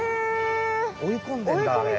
追い込んでんだあれ。